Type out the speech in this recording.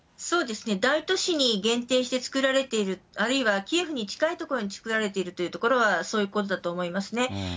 そうですね、大都市に限定して作られている、あるいはキエフに近い所に作られているというところは、そういうことだと思いますね。